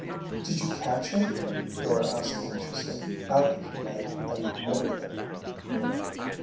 "Did you catch him?" Dora asked anxiously, after she had admitted them.